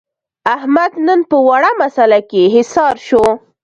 احمد نن په وړه مسعله کې حصار شو.